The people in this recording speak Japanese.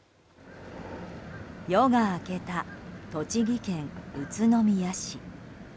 夜が明けた栃木県宇都宮市。